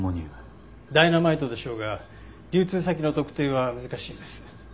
ダイナマイトでしょうが流通先の特定は難しいです。